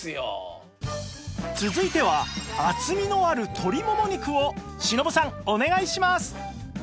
続いては厚みのある鶏モモ肉を忍さんお願いします！